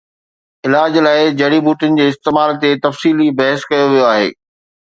علاج لاءِ جڙي ٻوٽين جي استعمال تي تفصيلي بحث ڪيو ويو آهي